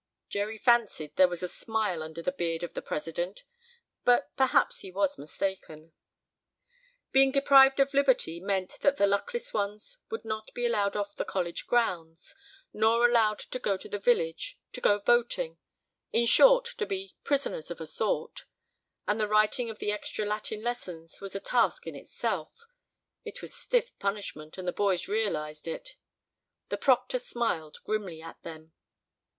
Jerry fancied there was a smile under the beard of the president, but perhaps he was mistaken. Being deprived of liberty meant that the luckless ones would not be allowed off the college grounds, not allowed to go to the village, to go boating in short to be prisoners of a sort. And the writing of the extra Latin lessons was a task in itself. It was "stiff" punishment, and the boys realized it. The proctor smiled grimly at them.